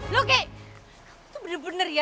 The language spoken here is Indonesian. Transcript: lo gek kamu tuh bener bener ya